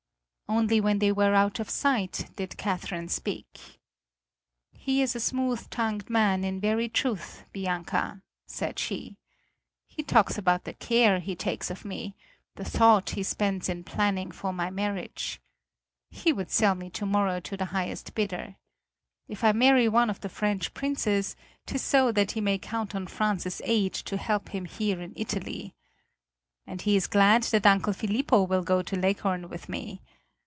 Only when they were out of sight did Catherine speak. "He is a smooth tongued man in very truth, Bianca," said she. "He talks about the care he takes of me, the thought he spends in planning for my marriage. He would sell me to morrow to the highest bidder. If I marry one of the French princes 'tis so that he may count on France's aid to help him here in Italy. And he is glad that Uncle Filippo will go to Leghorn with me.